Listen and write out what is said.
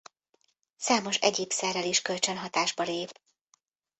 Számos egyéb szerrel is kölcsönhatásba lép.